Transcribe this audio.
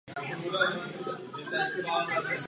Leopold ve svém rodišti absolvoval základní a střední školu.